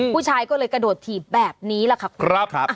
ผู้ชายก็เลยกระโดดถีบแบบนี้แหละค่ะคุณ